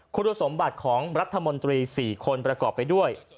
คุณสมบัติของรัฐมนตรี๔คนประกอบไปด้วย